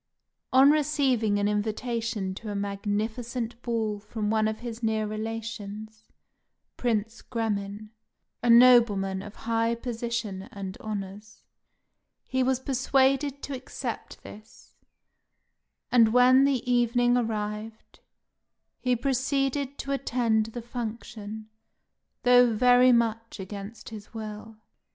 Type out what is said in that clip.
On receiving an invitation to a magnificent ball from one of his near relations, Prince Gremin, a nobleman of high position and honours, he was persuaded to accept this; and when the evening arrived, he proceeded to attend the function, though very much against his will.